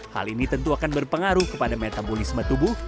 hal ini tentu akan berpengaruh kepada metabolisme tubuh